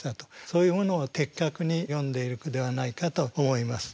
そういうものを的確に詠んでいる句ではないかと思います。